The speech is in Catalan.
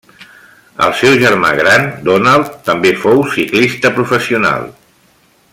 El seu germà gran Donald, també fou ciclista professional.